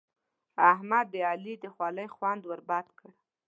احمد د علي د خولې خوند ور بد کړ.